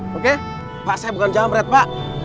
oke pak saya bukan jamret pak